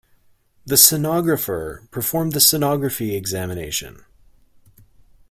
The Sonographer performed the Sonography examination.